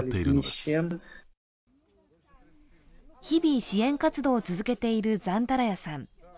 日々、支援活動を続けているザンタラヤさん。